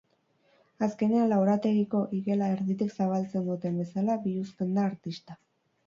Azkenean, laborategiko igela erditik zabaltzen duten bezala biluzten da artista.